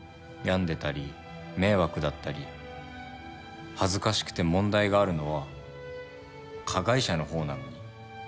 病んでたり迷惑だったり恥ずかしくて問題があるのは加害者の方なのに。